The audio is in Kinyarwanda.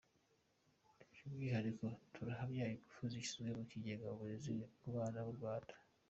By’umwihariko turahamya ingufu zashyizwe mu kugeza uburezi ku bana b’u Rwanda.